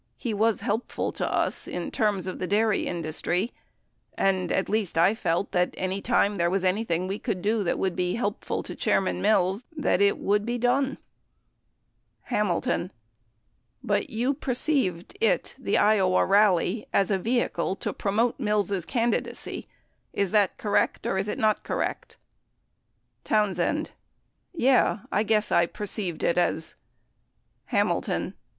he was helpful to us in terms of the dairy industry, and, at least I felt that any time there was anything we could do that would be helpful to Chairman Mills, that it would be done. Hamilton. But you perceived it (the Iowa rally) as a ve hicle to promote Mills' candidacy? Is that correct, or is it not correct ? Townsend. Yeah, I guess I perceived it as Hamilton.